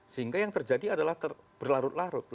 sehingga yang terjadi adalah berlarut larut